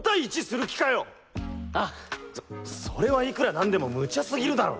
そそれはいくら何でも無茶すぎるだろ。